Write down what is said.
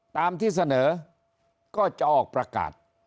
ตามที่เสนอก็จะออกประกาศ